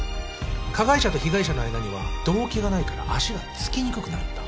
加害者と被害者の間には動機がないから足がつきにくくなるんだ。